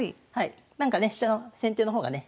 なんかね飛車の先手の方がね